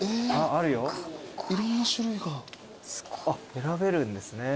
選べるんですね。